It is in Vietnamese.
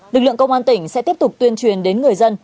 lực lượng công an tỉnh sẽ tiếp tục tuyên truyền đến người dân